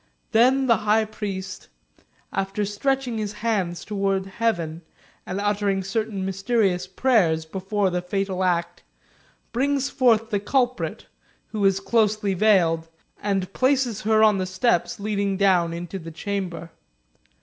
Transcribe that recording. Then the high priest, after stretching his hands toward heaven and uttering certain mysterious prayers before the fatal act, brings forth the culprit, who is closely veiled, and places her on the steps leading down into the chamber.